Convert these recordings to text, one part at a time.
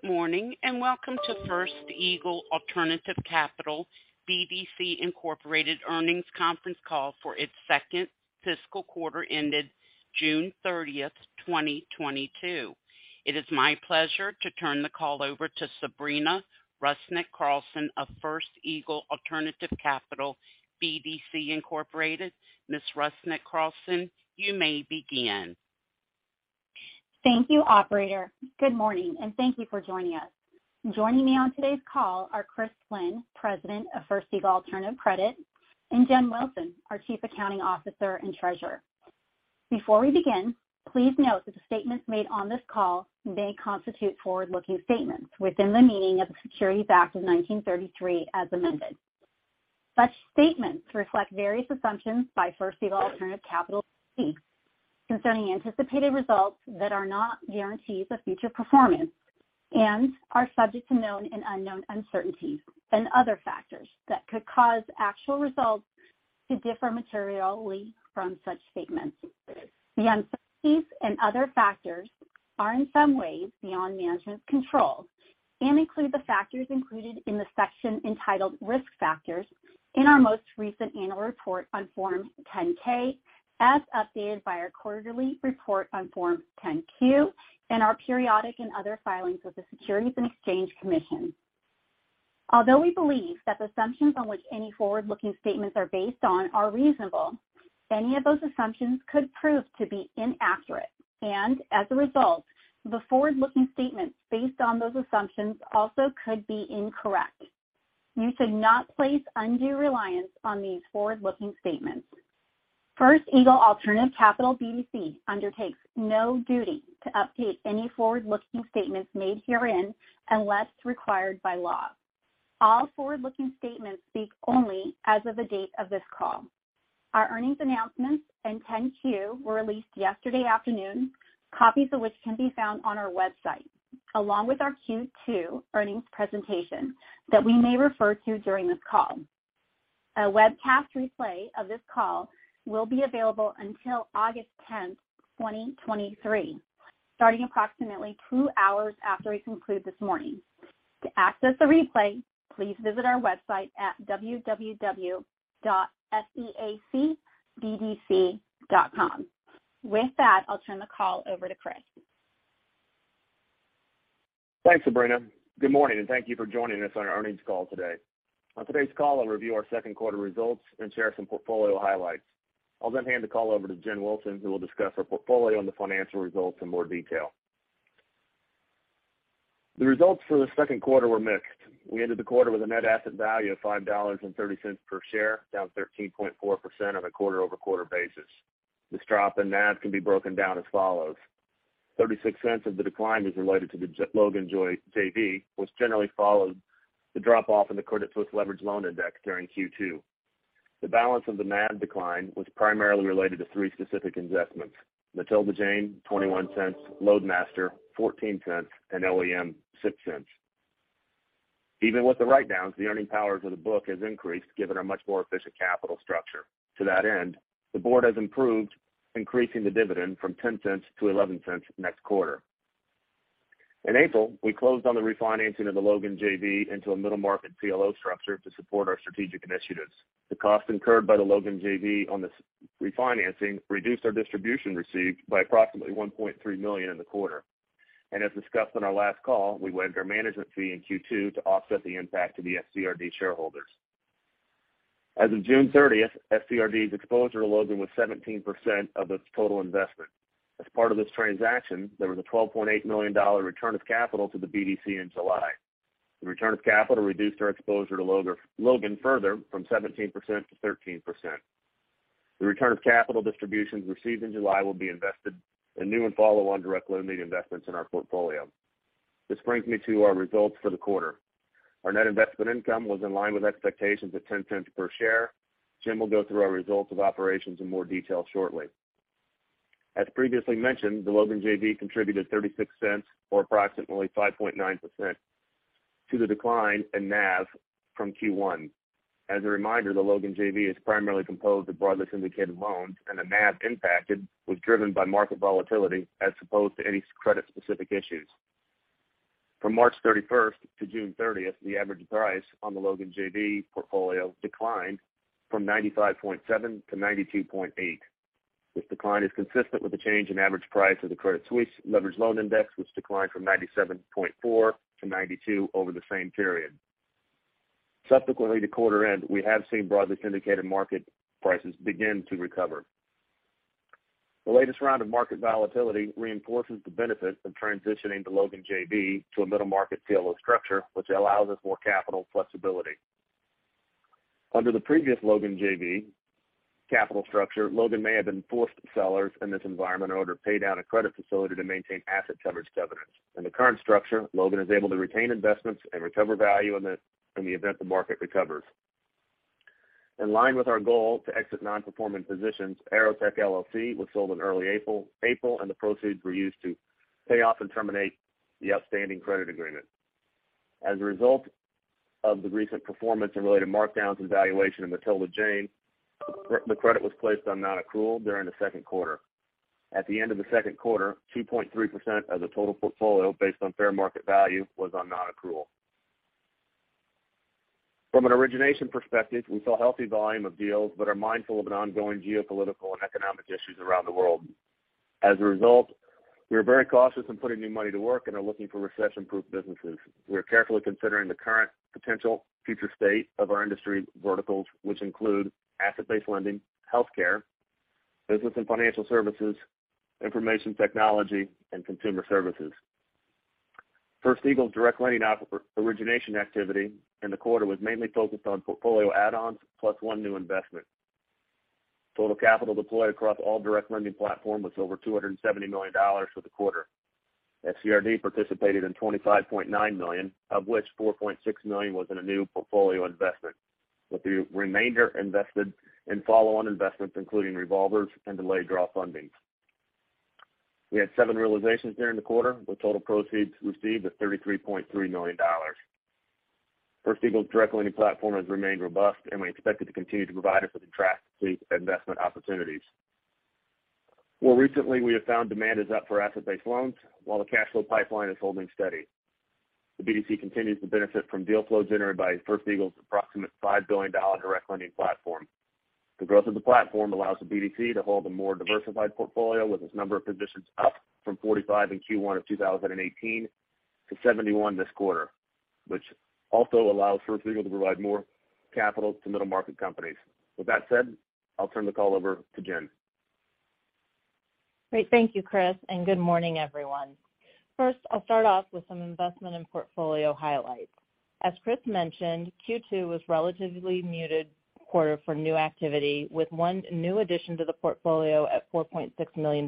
Good morning, and welcome to First Eagle Alternative Capital BDC Incorporated earnings conference call for its second fiscal quarter ended June 30, 2022. It is my pleasure to turn the call over to Sabrina Rusnak-Carlson of First Eagle Alternative Capital BDC Incorporated. Ms. Rusnak-Carlson, you may begin. Thank you, operator. Good morning, and thank you for joining us. Joining me on today's call are Chris Flynn, President of First Eagle Alternative Credit, and Jen Wilson, our Chief Accounting Officer and Treasurer. Before we begin, please note that the statements made on this call may constitute forward-looking statements within the meaning of the Securities Act of 1933 as amended. Such statements reflect various assumptions by First Eagle Alternative Capital BDC concerning anticipated results that are not guarantees of future performance and are subject to known and unknown uncertainties and other factors that could cause actual results to differ materially from such statements. The uncertainties and other factors are in some ways beyond management's control and include the factors included in the section entitled Risk Factors in our most recent annual report on Form 10-K, as updated by our quarterly report on Form 10-Q, and our periodic and other filings with the Securities and Exchange Commission. Although we believe that the assumptions on which any forward-looking statements are based on are reasonable, any of those assumptions could prove to be inaccurate. As a result, the forward-looking statements based on those assumptions also could be incorrect. You should not place undue reliance on these forward-looking statements. First Eagle Alternative Capital BDC undertakes no duty to update any forward-looking statements made herein unless required by law. All forward-looking statements speak only as of the date of this call. Our earnings announcements and 10-Q were released yesterday afternoon, copies of which can be found on our website, along with our Q2 earnings presentation that we may refer to during this call. A webcast replay of this call will be available until August 10th, 2023, starting approximately 2 hours after we conclude this morning. To access the replay, please visit our website at www.feacbdc.com. With that, I'll turn the call over to Chris. Thanks, Sabrina Rusnak-Carlson. Good morning, and thank you for joining us on our earnings call today. On today's call, I'll review our second quarter results and share some portfolio highlights. I'll then hand the call over to Jen Wilson, who will discuss our portfolio and the financial results in more detail. The results for the second quarter were mixed. We ended the quarter with a net asset value of $5.30 per share, down 13.4% on a quarter-over-quarter basis. This drop in NAV can be broken down as follows. $0.36 of the decline is related to the Logan JV, which generally followed the drop-off in the Credit Suisse Leveraged Loan Index during Q2. The balance of the NAV decline was primarily related to three specific investments. Matilda Jane, $0.21, Loadmaster, $0.14, and OEM, $0.06. Even with the write-downs, the earning powers of the book has increased, given our much more efficient capital structure. To that end, the board has approved, increasing the dividend from $0.10 to $0.11 next quarter. In April, we closed on the refinancing of the Logan JV into a middle market CLO structure to support our strategic initiatives. The cost incurred by the Logan JV on this refinancing reduced our distribution received by approximately $1.3 million in the quarter. As discussed on our last call, we waived our management fee in Q2 to offset the impact to the FCRD shareholders. As of June thirtieth, FCRD's exposure to Logan was 17% of its total investment. As part of this transaction, there was a $12.8 million return of capital to the BDC in July. The return of capital reduced our exposure to Logan further from 17%-13%. The return of capital distributions received in July will be invested in new and follow-on direct lending investments in our portfolio. This brings me to our results for the quarter. Our net investment income was in line with expectations at $0.10 per share. Jen Wilson will go through our results of operations in more detail shortly. As previously mentioned, the Logan JV contributed $0.36 or approximately 5.9% to the decline in NAV from Q1. As a reminder, the Logan JV is primarily composed of broadly syndicated loans, and the NAV impacted was driven by market volatility as opposed to any credit-specific issues. From March 31st to June 30th, the average price on the Logan JV portfolio declined from 95.7-92.8. This decline is consistent with the change in average price of the Credit Suisse Leveraged Loan Index, which declined from 97.4-92 over the same period. Subsequently to quarter-end, we have seen broadly syndicated market prices begin to recover. The latest round of market volatility reinforces the benefit of transitioning the Logan JV to a middle market CLO structure, which allows us more capital flexibility. Under the previous Logan JV capital structure, Logan may have been forced sellers in this environment in order to pay down a credit facility to maintain asset coverage covenants. In the current structure, Logan is able to retain investments and recover value in the event the market recovers. In line with our goal to exit non-performing positions, Aerotech LLC was sold in early April, and the proceeds were used to pay off and terminate the outstanding credit agreement. As a result of the recent performance and related markdowns and valuation of Matilda Jane, the credit was placed on non-accrual during the second quarter. At the end of the second quarter, 2.3% of the total portfolio based on fair market value was on non-accrual. From an origination perspective, we saw healthy volume of deals that are mindful of an ongoing geopolitical and economic issues around the world. As a result, we are very cautious in putting new money to work and are looking for recession-proof businesses. We are carefully considering the current potential future state of our industry verticals, which include asset-based lending, healthcare, business and financial services, information technology, and consumer services. First Eagle Direct Lending origination activity in the quarter was mainly focused on portfolio add-ons plus one new investment. Total capital deployed across all direct lending platform was over $270 million for the quarter. FCRD participated in $25.9 million, of which $4.6 million was in a new portfolio investment, with the remainder invested in follow-on investments, including revolvers and delayed draw fundings. We had seven realizations during the quarter, with total proceeds received of $33.3 million. First Eagle's direct lending platform has remained robust, and we expect it to continue to provide us with attractive investment opportunities. More recently, we have found demand is up for asset-based loans while the cash flow pipeline is holding steady. The BDC continues to benefit from deal flow generated by First Eagle's approximate $5 billion direct lending platform. The growth of the platform allows the BDC to hold a more diversified portfolio with its number of positions up from 45 in Q1 of 2018 to 71 this quarter, which also allows First Eagle to provide more capital to middle market companies. With that said, I'll turn the call over to Jen. Great. Thank you, Chris, and good morning, everyone. First, I'll start off with some investment and portfolio highlights. As Chris mentioned, Q2 was relatively muted quarter for new activity with one new addition to the portfolio at $4.6 million.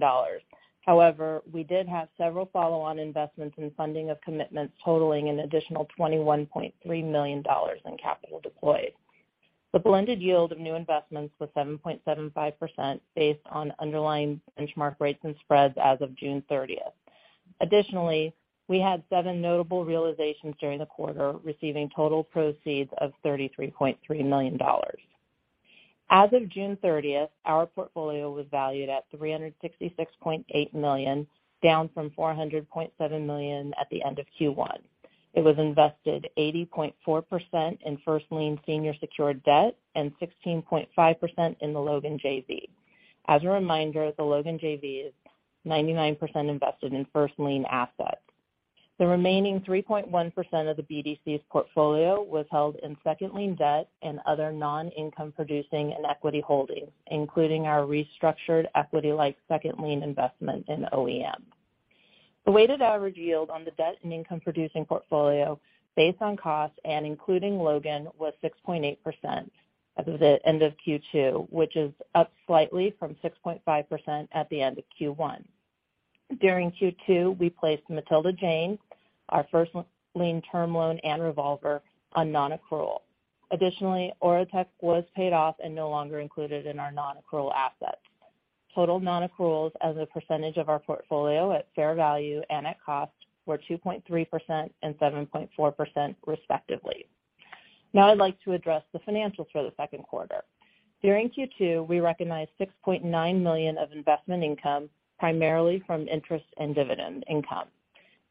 However, we did have several follow-on investments in funding of commitments totaling an additional $21.3 million in capital deployed. The blended yield of new investments was 7.75% based on underlying benchmark rates and spreads as of June 30. Additionally, we had seven notable realizations during the quarter, receiving total proceeds of $33.3 million. As of June 30, our portfolio was valued at $366.8 million, down from $400.7 million at the end of Q1. It was invested 80.4% in first lien senior secured debt and 16.5% in the Logan JV. As a reminder, the Logan JV is 99% invested in first lien assets. The remaining 3.1% of the BDC's portfolio was held in second lien debt and other non-income producing and equity holdings, including our restructured equity-like second lien investment in OEM. The weighted average yield on the debt and income-producing portfolio based on cost and including Logan was 6.8% at the end of Q2, which is up slightly from 6.5% at the end of Q1. During Q2, we placed Matilda Jane, our first lien term loan and revolver on non-accrual. Additionally, Aerotech was paid off and no longer included in our non-accrual assets. Total non-accruals as a percentage of our portfolio at fair value and at cost were 2.3% and 7.4% respectively. Now I'd like to address the financials for the second quarter. During Q2, we recognized $6.9 million of investment income, primarily from interest and dividend income.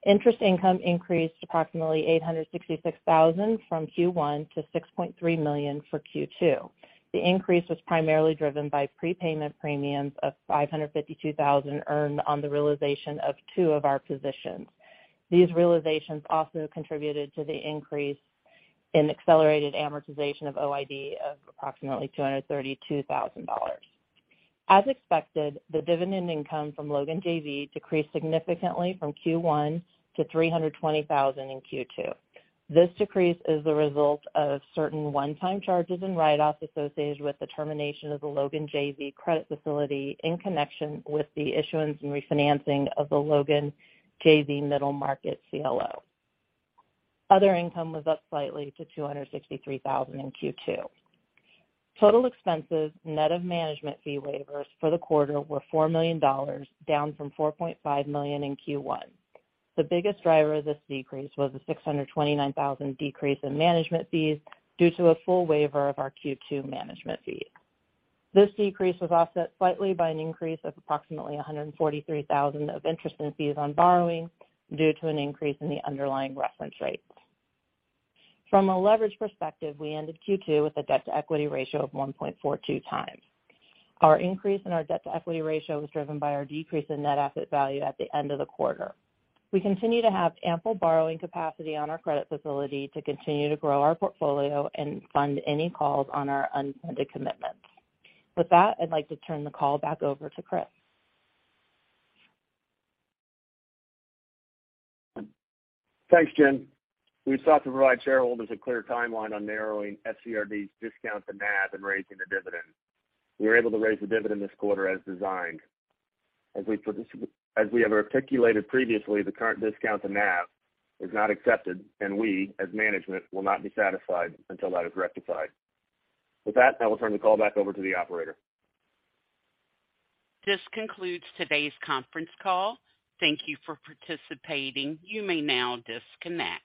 Interest income increased approximately $866,000 from Q1 to $6.3 million for Q2. The increase was primarily driven by prepayment premiums of $552,000 earned on the realization of two of our positions. These realizations also contributed to the increase in accelerated amortization of OID of approximately $232,000. As expected, the dividend income from Logan JV decreased significantly from Q1 to $320,000 in Q2. This decrease is the result of certain one-time charges and write-offs associated with the termination of the Logan JV credit facility in connection with the issuance and refinancing of the Logan JV middle market CLO. Other income was up slightly to $263,000 in Q2. Total expenses, net of management fee waivers for the quarter, were $4 million, down from $4.5 million in Q1. The biggest driver of this decrease was a 629,000 decrease in management fees due to a full waiver of our Q2 management fees. This decrease was offset slightly by an increase of approximately 143,000 of interest and fees on borrowing due to an increase in the underlying reference rates. From a leverage perspective, we ended Q2 with a debt-to-equity ratio of 1.42x. Our increase in our debt-to-equity ratio was driven by our decrease in net asset value at the end of the quarter. We continue to have ample borrowing capacity on our credit facility to continue to grow our portfolio and fund any calls on our unfunded commitments. With that, I'd like to turn the call back over to Chris. Thanks, Jen. We sought to provide shareholders a clear timeline on narrowing FCRD's discount to NAV and raising the dividend. We were able to raise the dividend this quarter as designed. As we have articulated previously, the current discount to NAV is not accepted and we as management will not be satisfied until that is rectified. With that, I will turn the call back over to the operator. This concludes today's conference call. Thank you for participating. You may now disconnect.